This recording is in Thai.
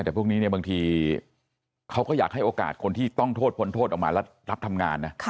แต่พวกนี้เนี่ยบางทีเขาก็อยากให้โอกาสคนที่ต้องโทษพ้นโทษออกมาแล้วรับทำงานนะ